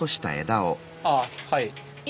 ああはい。